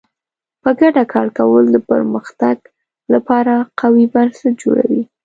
په ګډه کار کول د پرمختګ لپاره قوي بنسټ جوړوي.